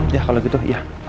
iya kalau gitu ya